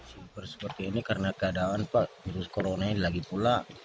silver seperti ini karena keadaan virus corona lagi pula